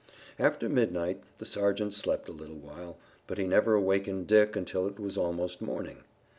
After midnight the sergeant slept a little while, but he never awakened Dick until it was almost morning.